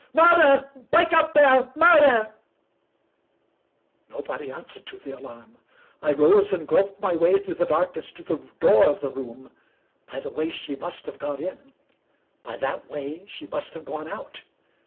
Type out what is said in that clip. " Murder ! Wake up there ! Murder !" Nobody answered to the alarm. I rose and groped my way through the darkness to the door of the room. By that way she must have got in. By that way she must have gone out.